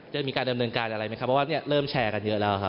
จะมีการดำเนินการอะไรไหมครับเพราะว่าเริ่มแชร์กันเยอะแล้วครับ